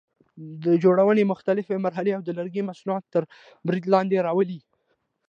د جوړونې مختلفې مرحلې او د لرګي مصنوعات تر برید لاندې راولي.